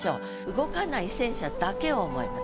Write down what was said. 動かない戦車だけを思います。